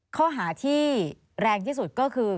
ข้อหาที่แรงที่สุดก็คือ